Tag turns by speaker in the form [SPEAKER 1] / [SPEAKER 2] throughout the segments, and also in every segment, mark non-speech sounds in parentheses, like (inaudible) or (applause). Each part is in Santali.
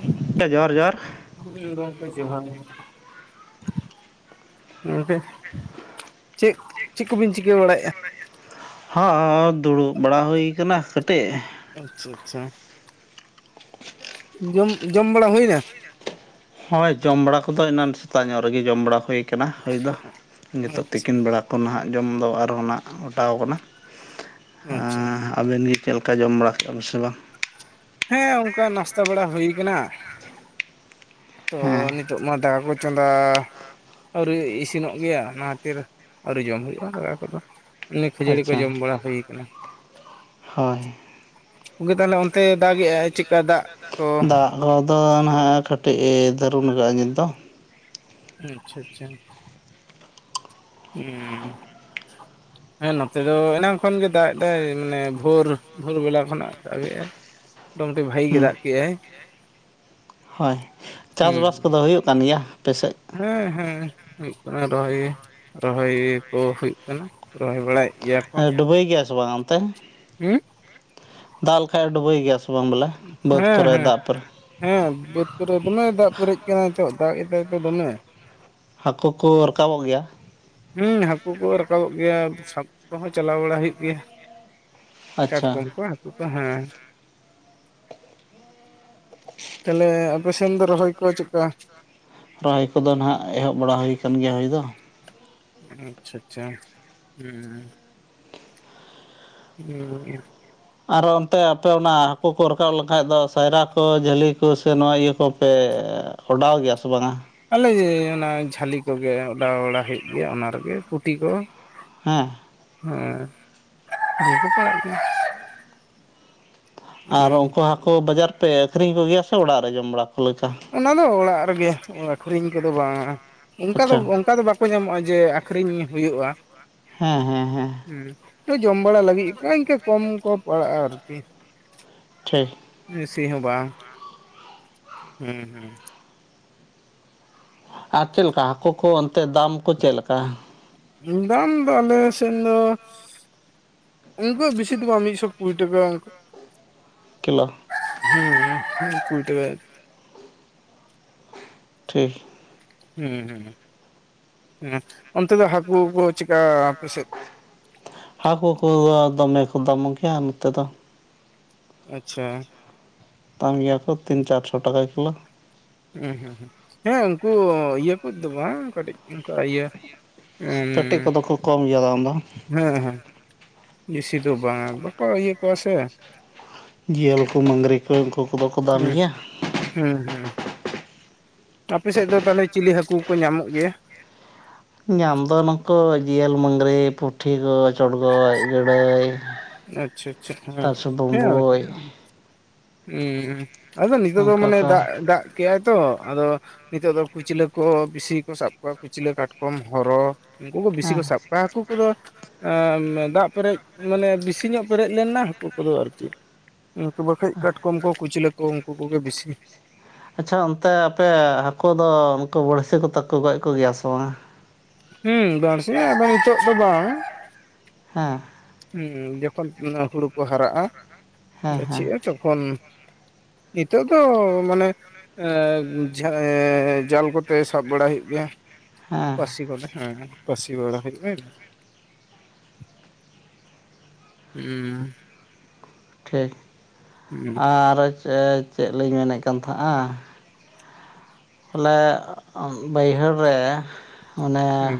[SPEAKER 1] (unintelligible) ᱡᱚᱦᱟᱨ ᱡᱚᱦᱟᱨ,
[SPEAKER 2] ᱦᱩᱭ ᱜᱚ‌ᱢᱠᱮ ᱡᱚᱦᱟᱨ ᱜᱚᱢᱠᱮ ᱪᱮᱫ ᱪᱮᱫ ᱠᱚᱵᱤᱱ ᱪᱤᱠᱟᱹ ᱵᱟᱲᱟᱭᱮᱫᱼᱟ?
[SPEAKER 1] ᱦᱚᱸ ᱫᱩᱲᱩᱵ ᱵᱟᱲᱟ ᱦᱩᱭ ᱠᱟᱱᱟ ᱠᱟᱹᱴᱤᱡ᱾
[SPEAKER 2] ᱟᱪᱪᱷᱟ ᱟᱪᱪᱷᱟ ᱡᱚᱢ ᱡᱚᱢ ᱵᱟᱲᱟ ᱦᱩᱭᱱᱟ?
[SPEAKER 1] ᱦᱚᱭ ᱡᱚᱢ ᱵᱟᱲᱟ ᱠᱚᱫᱚ ᱮᱱᱟᱱ ᱥᱮᱛᱟᱜ ᱧᱚᱜ ᱨᱮᱜᱮ ᱡᱚᱢ ᱵᱟᱲᱟ ᱦᱩᱭ ᱠᱟᱱᱟ ᱦᱳᱭ ᱫᱚ ᱱᱤᱛᱚᱜ
[SPEAKER 2] ᱟᱪᱪᱷᱟ
[SPEAKER 1] ᱛᱤᱠᱤᱱ ᱵᱮᱲᱟ ᱠᱚ ᱱᱟᱦᱟᱜ ᱡᱚᱢᱫᱚ ᱟᱨᱦᱚᱸ ᱱᱟᱜ ᱚᱴᱟᱣ ᱠᱟᱱᱟ
[SPEAKER 2] ᱟᱪᱪᱷᱟ ᱟᱪᱪᱷᱟ
[SPEAKER 1] ᱟᱵᱮᱱ ᱜᱤ ᱪᱮᱫ ᱞᱮᱠᱟ ᱡᱚᱢ ᱵᱟᱲᱟ ᱠᱮᱜᱼᱟ ᱵᱮᱱ ᱥᱮ ᱵᱟᱝ?
[SPEAKER 2] ᱦᱮᱸ ᱚᱱᱠᱟ ᱱᱟᱥᱛᱟ ᱵᱟᱲᱟ ᱦᱩᱭ ᱠᱟᱱᱟ ᱛᱚ
[SPEAKER 1] ᱦᱮᱸ
[SPEAKER 2] ᱱᱤᱛᱚᱜ ᱢᱟ ᱫᱟᱠᱟ ᱠᱚ ᱪᱚᱸᱫᱟ ᱟᱹᱣᱨᱤ ᱤᱥᱤᱱᱚᱜ ᱜᱮᱭᱟ ᱚᱱᱟ ᱠᱷᱟᱹᱛᱤᱨ ᱟᱹᱣᱨᱤ ᱡᱚᱢ ᱦᱩᱭᱩᱜᱼᱟ ᱫᱟᱠᱟ ᱠᱚᱫᱚ ᱾ ᱮᱢᱱᱤ ᱠᱷᱟᱹᱡᱟᱹᱲᱤ ᱠᱚ
[SPEAKER 1] ᱟᱪᱪᱷᱟ
[SPEAKER 2] ᱡᱚᱢ ᱵᱟᱲᱟ ᱦᱩᱭ ᱠᱟᱱᱟ᱾
[SPEAKER 1] ᱦᱳᱭ ᱾
[SPEAKER 2] ᱜᱚᱢᱠᱮ ᱛᱟᱦᱚᱞᱮ ᱚᱱᱛᱮ ᱫᱟᱜ ᱮᱟᱭ ᱪᱮᱫᱠᱟ ᱫᱟᱜ ᱠᱚ
[SPEAKER 1] ᱫᱟᱜ ᱠᱚᱫᱚ ᱱᱟᱦᱟᱸᱜ ᱠᱟᱹᱴᱤᱡᱼᱮ ᱫᱟᱹᱨᱩᱱ ᱠᱟᱜᱼᱟ ᱱᱤᱛ ᱫᱚ᱾
[SPEAKER 2] ᱟᱪᱪᱷᱟ ᱟᱪᱪᱷᱟ ᱾ (unintelligible) ᱦᱮᱸ ᱱᱚᱛᱮ ᱫᱚ ᱮᱱᱟᱝ ᱠᱷᱚᱱ ᱜᱮ ᱫᱟᱜ ᱮᱫᱟᱭ ᱢᱟᱱᱮ ᱵᱷᱳᱨ ᱵᱷᱳᱨ ᱵᱮᱞᱟ ᱠᱷᱚᱱᱟᱜ ᱫᱟᱜ ᱮᱟᱭ ᱾ ᱢᱚᱴᱟᱢᱩᱴᱤ ᱵᱷᱟᱜᱤ ᱜᱮ
[SPEAKER 1] ᱦᱮᱸ
[SPEAKER 2] ᱫᱟᱜ ᱠᱮᱜ-ᱟᱭ ᱾
[SPEAKER 1] ᱦᱳᱭ
[SPEAKER 2] ᱦᱩᱸ
[SPEAKER 1] ᱪᱟᱥᱵᱟᱥ
[SPEAKER 2] ᱦᱩᱸ
[SPEAKER 1] ᱠᱚᱫᱚ ᱦᱩᱭᱩᱜ ᱠᱟᱱ ᱜᱮᱭᱟ ᱟᱯᱮ ᱥᱮᱫ?
[SPEAKER 2] ᱦᱮᱸ ᱦᱮᱸ ᱦᱩᱭᱩᱜ ᱠᱟᱱᱟ ᱨᱚᱦᱚᱭ ᱨᱚᱦᱚᱭ ᱠᱚ ᱦᱩᱭᱩᱜ ᱠᱟᱱᱟ ᱨᱚᱦᱚᱭ ᱵᱟᱲᱟᱭ
[SPEAKER 1] ᱰᱩᱵᱟᱹᱭ ᱜᱮᱭᱟ ᱥᱮ ᱵᱟᱝ ᱚᱱᱛᱮ?
[SPEAKER 2] ᱦᱩᱸ
[SPEAKER 1] ᱫᱟᱜ ᱞᱮᱠᱷᱟᱡ ᱰᱩᱵᱟᱹ ᱜᱮᱭᱟ ᱥᱮ ᱵᱟᱝ ᱵᱚᱞᱮ ᱵᱟᱹᱫᱽ
[SPEAKER 2] ᱦᱮᱸ
[SPEAKER 1] ᱠᱚᱨᱮ
[SPEAKER 2] ᱦᱮᱸ
[SPEAKER 1] ᱫᱟᱜ ᱯᱚᱨᱮᱡ
[SPEAKER 2] ᱦᱮᱸ ᱵᱟᱹᱫᱽ ᱠᱚᱨᱮ ᱫᱚᱢᱮ ᱫᱟᱜ ᱯᱮᱨᱮᱡ ᱟᱠᱟᱱᱟ ᱱᱤᱛᱚᱜ ᱫᱟᱜ ᱮᱫᱟᱭ ᱛᱚ ᱫᱚᱢᱮ,
[SPEAKER 1] ᱦᱟᱹᱠᱩ ᱠᱚ ᱨᱟᱠᱟᱵᱚᱜ ᱜᱮᱭᱟ?
[SPEAKER 2] ᱦᱩᱸᱢ ᱦᱟᱹᱠᱩ ᱠᱚ ᱨᱟᱠᱟᱵᱚᱜ ᱜᱮᱭᱟ ᱥᱟᱵ ᱠᱚᱦᱚᱸ ᱪᱟᱞᱟᱣ ᱵᱟᱲᱟ ᱦᱩᱭᱩᱜ ᱜᱮᱭᱟ ᱾
[SPEAKER 1] ᱟᱪᱪᱷᱟ
[SPEAKER 2] ᱠᱟᱴᱠᱚᱢ ᱠᱚ ᱦᱟᱹᱠᱩ ᱠᱚ ᱦᱮᱸ, ᱛᱟᱦᱞᱮ ᱟᱯᱮ ᱥᱮᱱ ᱫᱚ ᱨᱚᱦᱚᱭ ᱠᱚ ᱪᱮᱫ ᱞᱮᱠᱟ?
[SPEAKER 1] ᱨᱚᱦᱚᱭ ᱠᱚᱫᱚ ᱱᱟᱦᱟᱸᱜ ᱮᱦᱚᱵ ᱵᱟᱲᱟ ᱦᱩᱭ ᱟᱠᱟᱱ ᱜᱮᱭᱟ ᱦᱳᱭ ᱫᱚ,
[SPEAKER 2] ᱟᱪᱪᱷᱟ ᱟᱪᱪᱷᱟ ᱦᱮᱸ (unintelligible)
[SPEAKER 1] ᱟᱨᱚ ᱚᱱᱛᱮ ᱟᱯᱮ ᱚᱱᱟ ᱦᱟᱹᱠᱩ ᱠᱚ ᱨᱟᱠᱟᱵ ᱞᱮᱱᱠᱷᱟᱡ ᱫᱚ ᱥᱟᱭᱨᱟ ᱠᱚ ᱡᱷᱟᱹᱞᱤ ᱠᱚ ᱥᱮ ᱱᱚᱣᱟ ᱤᱭᱟᱹ ᱠᱚᱯᱮ ᱚᱰᱟᱣ ᱜᱮᱭᱟ ᱥᱮ ᱵᱟᱝᱟ-ᱟ?
[SPEAKER 2] ᱟᱞᱮ ᱚᱱᱟ ᱡᱷᱟᱹᱞᱤ ᱠᱚᱜᱮ ᱚᱰᱟᱣ ᱵᱟᱲᱟ ᱦᱩᱭᱩᱜ ᱜᱮᱭᱟ ᱚᱱᱟ ᱨᱮᱜᱮ ᱯᱩᱴᱤ ᱠᱚ
[SPEAKER 1] ᱦᱮᱸ
[SPEAKER 2] ᱦᱮᱸ (unintelligible)
[SPEAKER 1] ᱟᱨ
[SPEAKER 2] ᱦᱩᱸ
[SPEAKER 1] ᱩᱱᱠᱩ ᱦᱟᱹᱠᱩ ᱵᱟᱡᱟᱨ ᱯᱮ ᱟᱹᱠᱷᱨᱤᱧ ᱠᱚ ᱜᱮᱭᱟ ᱥᱮ ᱚᱲᱟᱜ ᱨᱮ ᱡᱚᱢ ᱵᱟᱲᱟ? ᱠᱚ ᱞᱮᱠᱟ
[SPEAKER 2] ᱚᱱᱟ ᱫᱚ ᱚᱲᱟᱜ ᱨᱮᱜᱮ ᱟᱹᱠᱷᱨᱤᱧ ᱠᱚᱫᱚ ᱵᱟᱝ-ᱟ ᱚᱱᱠᱟ ᱫᱚ
[SPEAKER 1] ᱟᱪᱪᱷᱟ
[SPEAKER 2] ᱚᱱᱠᱟ ᱫᱚ ᱵᱟ ᱵᱟᱠᱚ ᱧᱟᱢᱚᱜᱼᱟ ᱡᱮ ᱟᱹᱠᱷᱨᱤᱧ ᱦᱩᱭᱩᱜᱼᱟ᱾
[SPEAKER 1] ᱦᱮᱸ ᱦᱮᱸ ᱦᱮᱸ᱾
[SPEAKER 2] ᱦᱩᱸ ᱛᱚ ᱡᱚᱢ ᱵᱟᱲᱟ ᱞᱟᱹᱜᱤᱫ ᱤᱱᱠᱟᱹ ᱠᱚᱢ ᱠᱚ ᱯᱟᱲᱟᱜᱼᱟ ᱟᱨᱠᱤ᱾
[SPEAKER 1] ᱴᱷᱤᱠ᱾
[SPEAKER 2] ᱵᱮᱥᱤ ᱦᱚᱸ ᱵᱟᱝ᱾ ᱦᱩᱸ ᱦᱩᱸ᱾
[SPEAKER 1] ᱟᱨ ᱪᱮᱫ ᱞᱮᱠᱟ ᱦᱟᱹᱠᱩ ᱠᱚ ᱚᱱᱛᱮ ᱫᱟᱢ ᱠᱚ ᱪᱮᱫ ᱞᱮᱠᱟ?
[SPEAKER 2] (unintelligible) ᱫᱟᱢ ᱫᱚ ᱟᱞᱮ ᱥᱮᱱ ᱫᱚ, ᱩᱱᱠᱩ ᱵᱤᱥᱤ ᱫᱚ ᱵᱟᱝ ᱢᱤᱫ ᱥᱚ ᱠᱩᱲᱤ ᱴᱟᱠᱟ᱾
[SPEAKER 1] ᱠᱮᱞᱳ᱾
[SPEAKER 2] ᱦᱮᱸ ᱦᱮᱸ (unintelligible)
[SPEAKER 1] ᱴᱷᱤᱠ᱾
[SPEAKER 2] ᱦᱩᱸ ᱦᱩᱸ ᱦᱮᱸ ᱚᱱᱛᱮ ᱫᱚ ᱦᱟᱹᱠᱩ ᱠᱚ ᱪᱮᱠᱟ ᱟᱯᱮ ᱥᱮᱫ?
[SPEAKER 1] ᱦᱟᱹᱠᱩ ᱠᱚ ᱫᱚᱢᱮ ᱠᱚ ᱫᱟᱢ ᱜᱮᱭᱟ ᱱᱚᱛᱮ ᱫᱚ᱾
[SPEAKER 2] ᱟᱪᱪᱷᱟ᱾
[SPEAKER 1] ᱫᱟᱢ ᱜᱮᱭᱟ ᱠᱚ ᱛᱤᱱ ᱪᱟᱨᱥᱚ ᱴᱟᱠᱟ ᱠᱤᱞᱳ᱾
[SPEAKER 2] ᱦᱩᱸ ᱦᱩᱸ ᱦᱮᱸ ᱩᱱᱠᱩ ᱤᱭᱟᱹ ᱠᱩᱡ ᱫᱚ ᱵᱟᱝ ᱠᱟᱹᱴᱤᱡᱼᱼ ᱤᱱᱠᱟ ᱤᱭᱟᱹ ᱩᱸ
[SPEAKER 1] ᱯᱮᱴᱤ ᱠᱚᱫᱚ ᱠᱚ ᱠᱚᱢ ᱜᱮᱭᱟ ᱫᱟᱢ ᱫᱚ
[SPEAKER 2] ᱦᱮᱸ ᱦᱮᱸ ᱵᱤᱥᱤ ᱫᱚ ᱵᱟᱝᱟ ᱵᱟᱠᱚ ᱤᱭᱟᱹ ᱠᱚᱣᱟ ᱥᱮᱼᱼ
[SPEAKER 1] ᱡᱤᱭᱟᱹᱞ ᱠᱚ ᱢᱟᱹᱜᱽᱨᱤ ᱠᱚ ᱩᱱᱠᱩ ᱠᱚᱫᱚ ᱠᱚ ᱫᱟᱢ
[SPEAKER 2] ᱦᱩᱸ
[SPEAKER 1] ᱜᱮᱭᱟ᱾
[SPEAKER 2] ᱦᱩᱸ ᱦᱩᱸ ᱟᱯᱮ ᱥᱮᱫ ᱫᱚ ᱛᱟᱦᱞᱮ ᱪᱤᱞᱤ ᱦᱟᱹᱠᱩ ᱠᱚ ᱧᱟᱢᱚᱜ ᱜᱮᱭᱟ?
[SPEAKER 1] ᱧᱟᱢ ᱫᱚ ᱱᱩᱠᱩ ᱡᱤᱭᱟᱹᱞ ᱢᱟᱹᱜᱽᱨᱤ, ᱯᱩᱴᱷᱤ ᱠᱚ ᱪᱚᱲᱜᱚᱡ, ᱜᱟᱹᱲᱟᱹᱭ
[SPEAKER 2] ᱟᱪᱪᱷᱟ ᱟᱪᱪᱷᱟ ᱦᱮᱸ
[SPEAKER 1] ᱛᱟᱨᱥᱚ
[SPEAKER 2] ᱦᱮᱸ ᱟᱞᱮ ᱥᱮᱫᱼᱼ
[SPEAKER 1] ᱵᱩᱢᱵᱩᱡ
[SPEAKER 2] ᱟᱫᱚ ᱱᱤᱛᱚᱜ ᱫᱚ
[SPEAKER 1] ᱚᱱᱠᱟ
[SPEAKER 2] ᱢᱟᱱᱮ
[SPEAKER 1] ᱠᱚ
[SPEAKER 2] ᱫᱟᱜ ᱫᱟᱜᱼᱼ ᱠᱮᱜᱟᱭ, ᱛᱚ ᱟᱫᱚ ᱱᱤᱛᱚᱜ ᱫᱚ ᱠᱩᱪᱞᱟᱹ ᱠᱚ ᱵᱤᱥᱤ ᱜᱮ ᱠᱚ ᱥᱟᱵ ᱠᱚᱣᱟ ᱠᱩᱪᱞᱟᱹ, ᱠᱟᱴᱠᱚᱢ, ᱦᱚᱨᱚ᱾ ᱩᱱᱠᱩ ᱠᱚ ᱵᱤᱥᱤ ᱠᱚ
[SPEAKER 1] ᱦᱮᱸ
[SPEAKER 2] ᱥᱟᱵ ᱠᱚᱣᱟ, ᱦᱟᱹᱠᱩ ᱠᱚᱫᱚ ᱟ ᱫᱟᱜ ᱯᱮᱨᱮᱡ ᱢᱟᱱᱮ ᱵᱤᱥᱼᱼ ᱵᱤᱥᱤ ᱧᱚᱜ ᱯᱮᱨᱮᱡ ᱞᱮᱱᱟ ᱦᱟᱹᱠᱩ ᱠᱚᱫᱚ ᱟᱨ ᱪᱤᱫ ᱩᱱᱠᱩ ᱵᱟᱠᱷᱟᱡ ᱠᱟᱴᱠᱚᱢ ᱠᱚ ᱠᱩᱪᱞᱟᱹ᱾ ᱠᱚ ᱩᱱᱠᱩ ᱠᱚᱜᱮ ᱵᱤᱥᱤᱼᱼ
[SPEAKER 1] ᱟᱪᱪᱷᱟ ᱚᱱᱛᱮ ᱟᱯᱮ ᱦᱟᱹᱠᱩ ᱫᱚ ᱩᱱᱠᱩ ᱵᱟᱹᱲᱥᱤ ᱠᱚᱛᱮ ᱠᱚ ᱜᱚᱡ ᱠᱚ ᱜᱮᱭᱟ ᱥᱮ ᱵᱟᱝᱼᱟ?
[SPEAKER 2] ᱦᱩᱸ ᱵᱟᱹᱲᱥᱤ ᱟᱫᱚ ᱱᱤᱛᱚᱜ ᱫᱚ ᱵᱟᱝ᱾
[SPEAKER 1] ᱦᱮᱸ᱾
[SPEAKER 2] ᱦᱮᱸ ᱡᱚᱠᱷᱚᱱ ᱱᱟᱜ ᱦᱩᱲᱩ ᱠᱚ ᱦᱟᱨᱟᱜᱼᱟ,
[SPEAKER 1] ᱦᱮᱸ ᱦᱮᱸ
[SPEAKER 2] ᱜᱟᱹᱪᱷᱤᱜ-ᱟ ᱛᱚᱠᱷᱚᱱ᱾ ᱱᱤᱛᱚᱜ ᱫᱚ ᱢᱟᱱᱮᱼᱼ ᱮ ᱡᱷᱟ ᱮ ᱡᱟᱞ ᱠᱚᱛᱮ ᱥᱟᱵ ᱵᱟᱲᱟ ᱦᱩᱭᱩᱜ ᱜᱮᱭᱟ᱾
[SPEAKER 1] ᱦᱮᱸ᱾
[SPEAKER 2] ᱯᱟᱹᱥᱤ ᱠᱚᱛᱮ ᱦᱮᱸ ᱯᱟᱹᱥᱤ ᱵᱟᱲᱟ ᱦᱮᱡ ᱵᱮᱱ᱾ ᱦᱮᱸ᱾
[SPEAKER 1] ᱴᱷᱤᱠ᱾ ᱟᱨ ᱪᱮᱫ, ᱪᱮᱫ ᱞᱤᱧ ᱢᱮᱱᱮᱫ ᱠᱟᱱ ᱛᱟᱦᱮᱫᱼᱟ? ᱯᱟᱹᱞᱮ ᱟᱢ ᱵᱟᱹᱭᱦᱟᱹᱲ ᱨᱮ ᱚᱱᱮᱼᱼ
[SPEAKER 2] ᱦᱩᱸ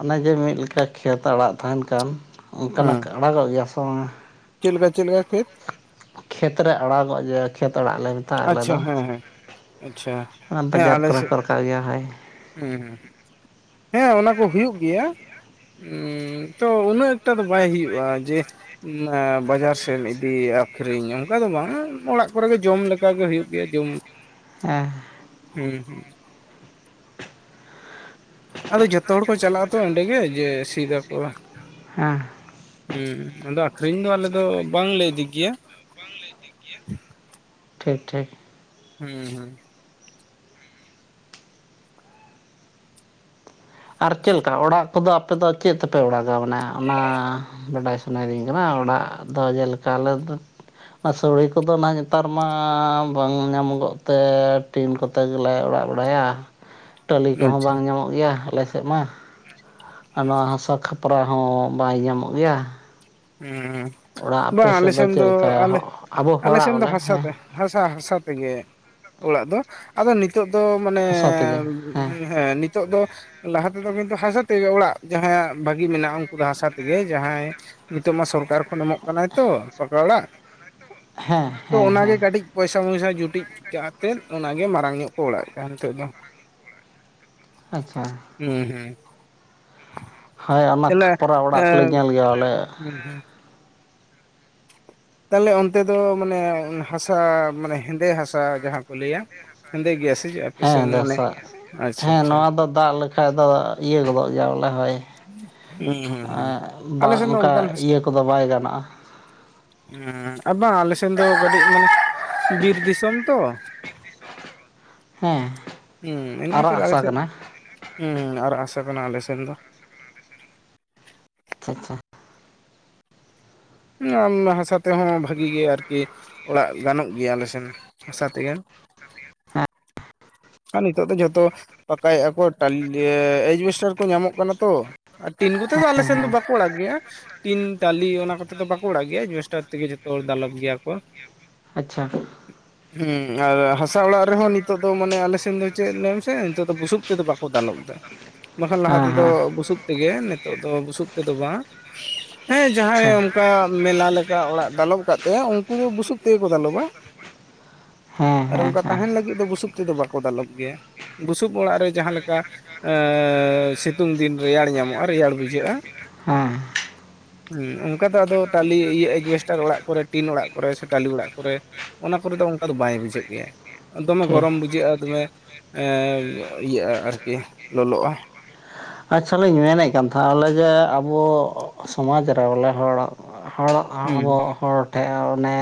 [SPEAKER 1] ᱚᱱᱮ ᱡᱮ ᱢᱤᱫ ᱞᱮᱠᱟ ᱠᱷᱮᱛ ᱟᱲᱟᱜ ᱛᱟᱦᱮᱱ ᱠᱟᱱ ᱚᱱᱠᱟᱱᱟᱜ
[SPEAKER 2] ᱦᱮᱸ
[SPEAKER 1] ᱟᱲᱟᱜᱚᱜ ᱜᱮᱭᱟ ᱥᱮ ᱵᱟᱝᱟ?
[SPEAKER 2] ᱪᱮᱫ ᱞᱮᱠᱟ ᱪᱮᱫ ᱞᱮᱠᱟ? (unintelligible)
[SPEAKER 1] ᱠᱷᱮᱛ ᱨᱮ ᱟᱲᱟᱜᱚᱜ-ᱟ ᱡᱮ, ᱠᱷᱮᱛ ᱚᱲᱟᱜ ᱞᱮ ᱢᱮᱛᱟᱜᱼᱟ ᱟᱞᱮ
[SPEAKER 2] ᱟᱪᱪᱷᱟ
[SPEAKER 1] ᱫᱚ᱾
[SPEAKER 2] ᱦᱮᱸ ᱦᱮᱸ ᱟᱪᱪᱷᱟ
[SPEAKER 1] ᱚᱱᱟ ᱵᱟᱡᱟᱨ
[SPEAKER 2] ᱟᱞᱮ
[SPEAKER 1] ᱠᱚ ᱨᱮ
[SPEAKER 2] ᱥᱮᱫ
[SPEAKER 1] ᱦᱚᱸᱠᱚ ᱨᱟᱠᱟᱵ ᱜᱮᱭᱟ ᱦᱳᱭ᱾
[SPEAKER 2] ᱦᱮᱸ, ᱦᱮᱸ ᱦᱮᱸ ᱚᱱᱟ ᱠᱚ ᱦᱩᱭᱩᱜ ᱜᱮᱭᱟ᱾ ᱦᱩᱸ ᱛᱚ ᱩᱱᱟᱹᱜ ᱴᱟ ᱫᱚ ᱵᱟᱭ ᱦᱩᱭᱩᱜᱼᱟ ᱡᱮ, ᱮ ᱵᱟᱡᱟᱨ ᱥᱮᱱ ᱤᱫᱤᱭᱟ ᱟᱹᱠᱷᱨᱤᱧ ᱚᱱᱠᱟ ᱫᱚ ᱵᱟᱝ ᱚᱲᱟᱜ ᱠᱚᱨᱮ ᱜᱮ ᱡᱚᱢ ᱞᱮᱠᱟ᱾ ᱚᱱᱠᱟ ᱜᱮ ᱦᱩᱭᱩᱜ ᱜᱮᱭᱟ ᱡᱚᱢ᱾
[SPEAKER 1] ᱦᱮᱸ
[SPEAKER 2] ᱦᱩᱸ ᱦᱩᱸ᱾ ᱟᱫᱚ ᱡᱷᱚᱛᱚ ᱦᱚᱲ ᱠᱚ ᱪᱟᱞᱟᱜ ᱟᱛᱚ ᱚᱸᱰᱮᱜᱮ ᱡᱮ ᱥᱤᱫᱟᱠᱚ᱾
[SPEAKER 1] ᱦᱮᱸ᱾
[SPEAKER 2] ᱦᱩᱸ ᱟᱫᱚ ᱟᱠᱷᱨᱤᱧ ᱫᱚ ᱟᱞᱮ ᱫᱚ ᱵᱟᱝᱞᱮ ᱤᱫᱤ ᱜᱮᱭᱟ᱾
[SPEAKER 1] ᱵᱟᱝ ᱞᱮ ᱤᱫᱤ ᱜᱮᱭᱟ᱾ ᱴᱷᱤᱠ ᱴᱷᱤᱠ᱾
[SPEAKER 2] ᱦᱩᱸ ᱦᱩᱸ᱾
[SPEAKER 1] ᱟᱨ ᱪᱮᱫ ᱞᱮᱠᱟ ᱚᱲᱟᱜ ᱠᱚᱫᱚ ᱟᱯᱮ ᱫᱚ ᱪᱮᱫ ᱛᱮᱯᱮ ᱚᱲᱟᱜᱟ? ᱢᱟᱱᱮ ᱚᱱᱟ ᱵᱟᱰᱟᱭ ᱥᱟᱱᱟᱭᱮᱫᱤᱧ ᱠᱟᱱᱟ ᱚᱲᱟᱜ ᱫᱚ ᱡᱮᱞᱮᱠᱟ ᱟᱞᱮ ᱚᱱᱟ ᱥᱳᱲᱮ ᱠᱚᱫᱚ ᱱᱟᱦᱟᱸᱜ ᱱᱮᱛᱟᱨ ᱢᱟ ᱵᱟᱝ ᱧᱟᱢᱚᱜᱚᱜ ᱛᱮ ᱴᱤᱱ ᱠᱚᱛᱮ ᱜᱮᱞᱮ ᱚᱲᱟᱜ ᱵᱟᱲᱟᱭᱟ, ᱴᱟᱹᱞᱤ
[SPEAKER 2] ᱦᱩᱸ
[SPEAKER 1] ᱠᱚᱦᱚᱸ
[SPEAKER 2] ᱟᱪᱪᱷᱟ
[SPEAKER 1] ᱵᱟᱝ ᱧᱟᱢᱚᱜ ᱜᱮᱭᱟ, ᱟᱞᱮ ᱮᱜ ᱢᱟ ᱟᱨ ᱱᱚᱣᱟ ᱦᱟᱥᱟ ᱠᱷᱟᱯᱨᱟ ᱦᱚᱸ ᱵᱟᱭ ᱧᱟᱢᱚᱜ ᱜᱮᱭᱟ᱾
[SPEAKER 2] ᱦᱩᱸ
[SPEAKER 1] ᱚᱲᱟᱜ ᱟᱯᱮ
[SPEAKER 2] ᱵᱟᱝ ᱟᱞᱮ
[SPEAKER 1] ᱥᱮᱫ
[SPEAKER 2] ᱥᱮᱱ ᱫᱚ
[SPEAKER 1] ᱪᱮᱫ ᱞᱮᱠᱟ
[SPEAKER 2] ᱟᱞ
[SPEAKER 1] ᱟᱵᱚ
[SPEAKER 2] ᱟᱞᱮ
[SPEAKER 1] ᱦᱚᱲᱟᱜ
[SPEAKER 2] ᱥᱮᱱ ᱫᱚ
[SPEAKER 1] ᱵᱚᱞᱮ
[SPEAKER 2] ᱦᱟᱥᱟ
[SPEAKER 1] ᱦᱮᱸ
[SPEAKER 2] ᱛᱮ, ᱦᱟᱥᱟ ᱦᱟᱥᱟ ᱛᱮᱜᱮ ᱚᱲᱟᱜ ᱫᱚ ᱟᱫᱚ, ᱱᱤᱛᱚᱜ ᱫᱚ ᱢᱟᱱᱮ
[SPEAKER 1] ᱦᱟᱥᱟ ᱛᱮᱜᱮ
[SPEAKER 2] ᱦᱮᱸ ᱱᱤᱛᱚᱜ ᱫᱚ ᱞᱟᱦᱟ ᱛᱮᱫᱚ ᱠᱤᱱᱛᱩ ᱦᱟᱥᱟ ᱛᱮᱜᱮ ᱚᱲᱟᱜ ᱡᱟᱦᱟᱸᱭᱟᱜ ᱵᱷᱟᱹᱜᱤ ᱢᱮᱱᱟᱜᱼᱟ ᱩᱱᱠᱩ ᱫᱚ ᱦᱟᱥᱟ ᱛᱮᱜᱮ, ᱡᱟᱦᱟᱸᱭ ᱱᱤᱛᱚᱜ ᱢᱟ ᱥᱚᱨᱠᱟᱨ ᱠᱷᱚᱱ ᱮᱢᱚᱜ ᱠᱟᱱᱟᱭ ᱛᱚ ᱯᱟᱠᱟ ᱚᱲᱟᱜ
[SPEAKER 1] ᱦᱮᱸ
[SPEAKER 2] ᱛᱚ
[SPEAKER 1] ᱦᱮᱸ
[SPEAKER 2] ᱚᱱᱟᱜᱮ
[SPEAKER 1] ᱦᱮᱸ
[SPEAKER 2] ᱠᱟᱹᱴᱤᱡ ᱯᱚᱭᱥᱟ ᱢᱚᱭᱥᱟ ᱡᱩᱴᱤᱡ ᱠᱟᱛᱮᱫ ᱚᱱᱟᱜᱮ ᱢᱟᱨᱟᱝ ᱧᱚᱜ ᱠᱚ ᱚᱲᱟᱜ ᱛᱟᱦᱮᱸ ᱱᱤᱛᱚᱜ ᱫᱚ᱾
[SPEAKER 1] ᱟᱪᱪᱷᱟ᱾
[SPEAKER 2] ᱦᱮᱸ ᱦᱮᱸ᱾
[SPEAKER 1] ᱦᱳᱭ ᱚᱱᱟ ᱠᱷᱟᱯᱚᱨᱟ ᱚᱲᱟᱜ ᱠᱚᱞᱮ ᱧᱮᱞ ᱜᱮᱭᱟᱞᱮ᱾
[SPEAKER 2] ᱦᱮᱸ ᱦᱮᱸ᱾ ᱛᱟᱦᱚᱞᱮ ᱚᱱᱛᱮ ᱫᱚ ᱢᱟᱱᱮ ᱦᱟᱥᱟ ᱢᱟᱱᱮ ᱦᱮᱸᱫᱮ ᱦᱟᱥᱟ ᱡᱟᱦᱟᱸ ᱠᱚ ᱞᱟᱹᱭᱟ, ᱦᱮᱸᱫᱮ ᱜᱮᱭᱟ ᱥᱮᱪᱮᱛ
[SPEAKER 1] ᱦᱮᱸ ᱫᱮ ᱥᱟᱜ ᱦᱮᱸ ᱱᱚᱣᱟ ᱫᱚ ᱫᱟᱜ ᱞᱮᱠᱷᱟᱡ ᱫᱚ ᱤᱭᱟᱹ ᱜᱚᱫᱚᱜ ᱜᱮᱭᱟ ᱵᱚᱞᱮ ᱦᱳᱭ᱾
[SPEAKER 2] ᱦᱩᱸ ᱦᱩᱸ ᱦᱩᱸ ᱟᱞᱮ
[SPEAKER 1] ᱵᱟᱝ
[SPEAKER 2] ᱥᱮᱱ ᱫᱚ
[SPEAKER 1] ᱚᱝᱠᱟ
[SPEAKER 2] ᱚᱱᱠᱟᱱ ᱦᱟᱥᱟ
[SPEAKER 1] ᱤᱭᱟᱹ ᱠᱚᱫᱚ ᱵᱟᱭ ᱜᱟᱱᱚᱜᱼᱟ᱾
[SPEAKER 2] ᱩᱸ ᱟᱫᱚ ᱟᱞᱮ ᱥᱮᱱ ᱫᱚ ᱠᱟᱹᱴᱤᱡ ᱢᱟᱱᱮ ᱵᱤᱨ ᱫᱤᱥᱚᱢ ᱛᱚ,
[SPEAKER 1] ᱦᱮᱸ
[SPEAKER 2] ᱦᱩᱸ ᱤᱱᱟᱹ
[SPEAKER 1] ᱟᱨᱟᱜ
[SPEAKER 2] ᱠᱷᱟᱛᱤᱨ ᱟᱞᱮ
[SPEAKER 1] ᱦᱟᱥᱟ
[SPEAKER 2] ᱥᱮᱫ
[SPEAKER 1] ᱠᱟᱱᱟ
[SPEAKER 2] ᱩᱸ ᱟᱨᱟᱜ ᱦᱟᱥᱟ ᱠᱟᱱᱟ ᱟᱞᱮᱥᱱ ᱫᱚ᱾
[SPEAKER 1] ᱪᱷᱟ ᱪᱷᱟ᱾
[SPEAKER 2] ᱟᱱᱱᱟ ᱦᱟᱥᱟ ᱛᱮᱦᱚᱸ ᱵᱷᱟᱜᱤ ᱜᱮ ᱟᱨᱠᱤ ᱚᱲᱟᱜ ᱜᱟᱱᱚᱜ ᱜᱮᱭᱟ ᱟᱞ ᱥᱮᱱ ᱦᱟᱥᱟ ᱛᱮᱜᱮ᱾
[SPEAKER 1] ᱦᱮᱸᱜ?
[SPEAKER 2] ᱟᱨ ᱱᱤᱛᱚᱜ ᱫᱚ ᱡᱷᱚᱛᱚ ᱯᱟᱠᱟᱭᱮᱫᱼᱟ ᱠᱚ ᱴᱟᱞ ᱮᱭᱪᱵᱮᱥᱴᱟᱨ ᱠᱚ ᱧᱟᱢᱚᱜ ᱠᱟᱱᱟ ᱛᱚ, ᱟ ᱛᱤᱱ ᱜᱛ ᱫᱚ ᱟᱞ ᱥᱮᱱ ᱵᱟᱠᱚ ᱚᱲᱟᱜ ᱜᱮᱭᱟ᱾ ᱴᱤᱱ ᱴᱟᱞᱤ ᱚᱱᱟ ᱠᱚᱛᱮ ᱫᱚ ᱵᱟᱠᱚ ᱚᱲᱟᱜ ᱜᱮᱭᱟ ᱡᱮᱥᱴᱟᱨ ᱛᱮᱜᱮ ᱡᱷᱚᱛᱚ ᱦᱚᱲ ᱫᱟᱞᱚᱵ ᱜᱮᱭᱟ ᱠᱚ᱾
[SPEAKER 1] ᱟᱪᱪᱷᱟ᱾
[SPEAKER 2] ᱩᱸ ᱟᱨ ᱦᱟᱥᱟ ᱚᱲᱟᱜ ᱨᱮᱦᱚᱸ ᱱᱤᱛᱳᱜ ᱫᱚ ᱢᱟᱱᱮ ᱟᱞᱮ ᱥᱮᱱ ᱫᱚ ᱪᱮᱫ ᱞᱮᱭ ᱢᱮᱥᱮ ᱱᱤᱛᱚᱜ ᱫᱚ ᱵᱩᱥᱩᱵ ᱛᱮᱫᱚ ᱵᱟᱠᱚ ᱫᱟᱞᱚᱵ ᱫᱟ, ᱵᱟᱝᱠᱷᱟᱱ ᱞᱟᱦᱟ
[SPEAKER 1] ᱦᱮᱸ ᱦᱮᱸ ᱦᱮᱸ ᱟᱪᱪᱷᱟ ᱦᱮᱸ ᱦᱮᱸ
[SPEAKER 2] ᱛᱮᱫᱚ ᱵᱩᱥᱩᱵ ᱛᱮᱜᱮ ᱱᱤᱛᱚᱜ ᱫᱚ ᱵᱩᱥᱩᱵ ᱛᱮᱫᱚ ᱵᱟᱝ, ᱦᱮᱸ ᱡᱟᱦᱟᱸᱭ
[SPEAKER 1] ᱟᱪᱪᱷᱟ
[SPEAKER 2] ᱚᱱᱠᱟ ᱢᱮᱞᱟ ᱞᱮ ᱠᱟ ᱚᱲᱟᱜ ᱫᱟᱞᱚᱵ ᱠᱟᱫ ᱛᱟᱭᱟ ᱩᱱᱠᱩ ᱫᱚ ᱵᱩᱥᱩᱵ ᱛᱮᱜᱮ ᱠᱚ ᱫᱟᱞᱚᱵᱟ᱾
[SPEAKER 1] ᱦᱮᱸ
[SPEAKER 2] ᱟᱨ
[SPEAKER 1] ᱦᱮᱸ
[SPEAKER 2] ᱚᱱᱠᱟ
[SPEAKER 1] ᱦᱮᱸ
[SPEAKER 2] ᱛᱟᱦᱮᱸᱱ ᱞᱟᱹᱜᱤᱫ ᱫᱚ ᱵᱩᱥᱩᱵ ᱛᱮᱫᱚ ᱵᱟᱠᱚ ᱫᱟᱞᱚᱵ ᱜᱮᱭᱟ, ᱵᱩᱥᱩᱵ ᱚᱲᱟᱜ ᱨᱮ ᱡᱟᱦᱟᱸ ᱞᱮᱠᱟ ᱮᱸ ᱥᱤᱛᱩᱝ ᱫᱤᱱ ᱨᱮᱭᱟᱲ ᱧᱟᱢᱚᱜᱼᱟ ᱨᱮᱭᱟᱲ ᱵᱩᱡᱷᱟᱹᱜᱼᱟ,
[SPEAKER 1] ᱦᱮᱸ
[SPEAKER 2] ᱦᱩᱸ ᱚᱱᱠᱟ ᱫᱚ ᱟᱫᱚ ᱴᱟᱞᱤ ᱤᱭᱟᱹ ᱮᱰᱵᱮᱥᱴᱟᱨ ᱚᱲᱟᱜ ᱠᱚᱨᱮ ᱴᱤᱱ ᱚᱲᱟᱜ ᱠᱚᱨᱮ ᱥᱮ ᱴᱟᱞᱤ ᱚᱲᱟᱜ ᱠᱚᱨᱮ ᱚᱱᱟ ᱠᱚᱨᱮᱫ ᱫᱚ ᱚᱝᱠᱟ ᱫᱚ ᱵᱟᱭ ᱵᱩᱡᱷᱟᱹᱜ ᱜᱮᱭᱟ, ᱫᱚᱢᱮ
[SPEAKER 1] ᱴᱷᱤᱠ
[SPEAKER 2] ᱜᱚᱨᱚᱢ ᱵᱩᱡᱷᱟᱹᱜᱼᱟ᱾ ᱫᱚᱢᱮ ᱮᱸᱻ ᱤᱭᱟᱹᱜᱼᱟ ᱟᱨᱠᱤ ᱞᱚᱞᱚᱜᱼᱟ᱾
[SPEAKER 1] ᱟᱪᱪᱷᱟ ᱞᱤᱧ ᱢᱮᱱᱮᱫ ᱠᱟᱱ ᱛᱟᱦᱮᱸᱜ ᱟᱞᱮ ᱡᱮ ᱟᱵᱚ ᱥᱚᱢᱟᱡᱽ ᱨᱮ ᱵᱚᱞᱮ ᱦᱚᱲ ᱦᱚᱲ
[SPEAKER 2] ᱦᱩᱸ
[SPEAKER 1] ᱟᱵᱚ ᱦᱚᱲ ᱴᱷᱮᱡ ᱚᱱᱮ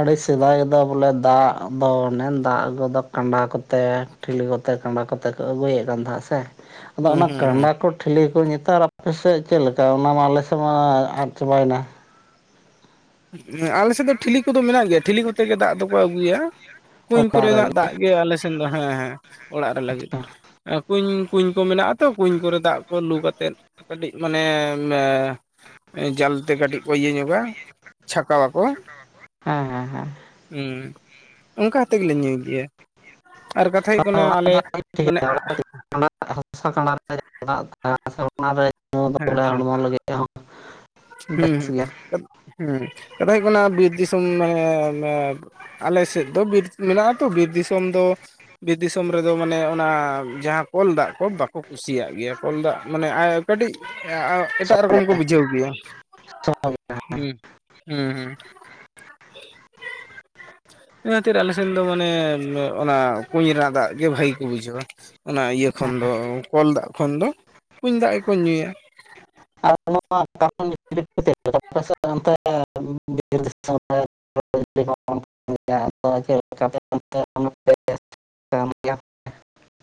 [SPEAKER 1] ᱟᱹᱰᱤ ᱥᱮᱫᱟᱭ ᱫᱚ ᱵᱚᱞᱮ ᱫᱟᱜ ᱫᱚ ᱚᱱᱮ ᱫᱟᱜ ᱟᱜᱩ ᱫᱚ ᱠᱟᱸᱰᱟ ᱠᱚᱛᱮ ᱴᱷᱤᱞᱤ ᱠᱚᱛᱮ, ᱠᱟᱸᱰᱟ ᱠᱚᱛᱮ ᱠᱚ ᱟᱹᱜᱩᱭᱮᱫ ᱠᱟᱱ ᱛᱟᱦᱮᱸᱫ ᱥᱮ, ᱟᱫᱚ
[SPEAKER 2] ᱦᱩᱸ
[SPEAKER 1] ᱚᱱᱟ
[SPEAKER 2] ᱦᱩᱸ
[SPEAKER 1] ᱠᱟᱸᱰᱟ ᱠᱚ, ᱴᱷᱤᱞᱤ ᱠᱚ ᱱᱮᱛᱟᱨ ᱟᱯᱮ ᱥᱮᱫ ᱪᱮᱫ ᱞᱮᱠᱟ ᱚᱱᱟ ᱢᱟ ᱟᱞᱮ ᱥᱮᱫ ᱢᱟ ᱟᱫ ᱪᱟᱵᱟᱭᱮᱱᱟ᱾
[SPEAKER 2] ᱟᱞᱮ ᱥᱮᱫ ᱫᱚ ᱴᱷᱤᱞᱤ ᱠᱚᱫᱚ ᱢᱮᱱᱟᱜ ᱜᱮᱭᱟ, ᱴᱷᱤᱞᱤ ᱠᱚᱛᱮ ᱜᱮ ᱫᱟᱜ ᱫᱚᱠᱚ ᱟᱹᱜᱩᱭᱟ᱾ ᱠᱩᱧ
[SPEAKER 1] ᱚᱲᱟᱜ ᱨᱮ
[SPEAKER 2] ᱠᱚᱨᱮᱱᱟᱜ ᱫᱟᱜ ᱜᱮ ᱟᱞᱮ ᱥᱮᱱ ᱫᱚ ᱦᱮᱸ ᱦᱮᱸ ᱚᱲᱟᱜ ᱨᱮ ᱞᱟᱜᱤᱫ᱾ ᱮᱸ ᱠᱩᱧ ᱠᱩᱧ ᱠᱚ ᱢᱮᱱᱟᱜᱼᱟ ᱛᱚ ᱠᱩᱧ ᱠᱚᱨᱮ ᱫᱟᱜ ᱠᱚ ᱞᱩ ᱠᱟᱛᱮᱫ ᱠᱟᱹᱴᱤᱡ ᱢᱟᱱᱮ, ᱮᱸ ᱡᱟᱞᱛᱮ ᱠᱟᱹᱴᱤᱡ ᱠᱚ ᱤᱭᱟᱹ ᱧᱚᱜᱟ ᱪᱷᱟᱠᱟᱣᱟ
[SPEAKER 1] ᱪᱷᱟᱞᱟᱣ ᱟᱠᱚ᱾ ᱦᱮᱸ ᱦᱮᱸ ᱦᱮᱸ᱾
[SPEAKER 2] ᱩᱸᱻ, ᱚᱝᱠᱟ ᱠᱟᱛᱮ ᱜᱮᱞᱮ ᱧᱩᱭ ᱜᱮᱭᱟ᱾ ᱟᱨ ᱠᱟᱛᱷᱟ ᱦᱩᱭᱩᱜ ᱠᱟᱱᱟ ᱟᱞᱮ, ᱢᱟᱱᱮ
[SPEAKER 1] ᱚᱱᱟ ᱦᱟᱸᱥᱟ ᱠᱟᱰᱟ ᱨᱮ (inaudible) ᱚᱱᱟᱨᱮ
[SPEAKER 2] ᱦᱮᱸ
[SPEAKER 1] (inaudible)
[SPEAKER 2] ᱦᱮᱸ
[SPEAKER 1] ᱦᱚᱲᱢᱚ ᱞᱟᱹᱜᱤᱫ ᱦᱚᱸ
[SPEAKER 2] ᱦᱩᱸ
[SPEAKER 1] ᱵᱮᱥ ᱜᱮᱭᱟ
[SPEAKER 2] ᱦᱩᱸ, (inaudible) ᱦᱩᱸ ᱠᱟᱛᱷᱟ ᱦᱩᱭᱩᱜ ᱠᱟᱱᱟ ᱵᱤᱨ ᱫᱤᱥᱚᱢ ᱢᱟᱱᱮ (inaudible) ᱟᱞᱮ ᱥᱮᱫ ᱫᱚ ᱵᱤᱨ ᱢᱮᱱᱟᱜᱼᱟ ᱛᱚ ᱵᱤᱨ ᱫᱤᱥᱚᱢ ᱫᱚ ᱵᱤᱨ ᱫᱤᱥᱚᱢ ᱨᱮᱫᱚ ᱢᱟᱱᱮ ᱚᱱᱟ ᱡᱟᱦᱟᱸ ᱠᱚᱞ ᱫᱟᱜ ᱠᱚ ᱵᱟᱠᱚ ᱠᱩ ᱠᱩᱥᱤᱭᱟᱜ ᱜᱮᱭᱟ ᱠᱚᱞ ᱫᱟᱜ ᱢᱟᱱᱮ ᱠᱟᱹᱴᱤᱡ ᱮᱴᱟᱜ ᱨᱚᱠᱚᱢ ᱠᱚ ᱵᱩᱡᱷᱟᱹᱣ ᱜᱮᱭᱟ᱾
[SPEAKER 1] ᱟᱨ
[SPEAKER 2] ᱦᱩᱸ ᱦᱩᱸ ᱦᱩᱸ᱾ ᱤᱱᱟᱹ ᱠᱷᱟᱛᱤᱨ ᱟᱞᱮ ᱥᱮᱱ ᱫᱚ ᱢᱟᱱᱮ ᱚᱱᱟ ᱠᱩᱧ ᱨᱮᱱᱟᱜ ᱫᱟᱜ ᱜᱮ ᱵᱷᱟᱜᱤ ᱠᱚ ᱵᱩᱡᱷᱟᱹᱣᱟ᱾ ᱚᱱᱟ ᱤᱭᱟᱹ ᱠᱷᱚᱱ ᱫᱚ ᱠᱚᱞ ᱫᱟᱜ ᱠᱷᱚᱱ ᱫᱚ, ᱠᱩᱧ ᱫᱟᱜ ᱜᱮᱠᱚ ᱧᱩᱭᱟ᱾
[SPEAKER 1] ᱟᱨ ᱱᱚᱣᱟ (inaudible) (inaudible) ᱥᱟᱢᱱᱮᱭᱟ